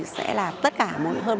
sẽ là tất cả hơn một năm trăm linh